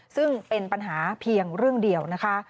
ซึ่งเป็นปัญหาเพียงเรื่องเดียวนะคะ